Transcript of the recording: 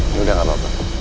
ini udah gak apa apa